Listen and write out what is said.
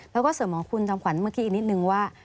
แล้วก็เสริมของคุณจอมขวัญเมื่อกี้อีกนิดนึงว่า